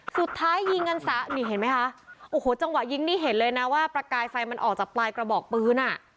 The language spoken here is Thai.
สุดท้ายยิงกันซะนี่เห็นไหมคะโอ้โหจังหวะยิงนี่เห็นเลยนะว่าประกายไฟมันออกจากปลายกระบอกปืนอ่ะ